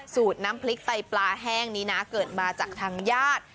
สูตรน้ำพริกไตปลาแห้งนี้นะเกิดมาจากทางญาติ